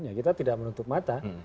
ya kita tidak menutup mata